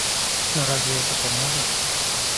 Но разве это поможет?